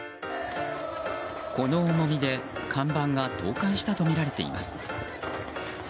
この重みで看板が倒壊したとみられています。